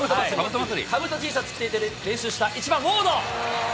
かぶとＴシャツ着て練習した１番ウォード。